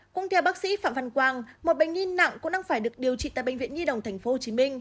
cũng theo bác sĩ phạm văn quang một bệnh nhi nặng cũng đang phải được điều trị tại bệnh viện nhi đồng tp hcm